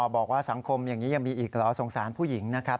บอกว่าสังคมอย่างนี้ยังมีอีกเหรอสงสารผู้หญิงนะครับ